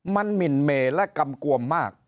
มันหมินเมและกำกวมมาก